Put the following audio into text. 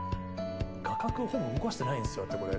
画角をほぼ動かしてないんですよだってこれ。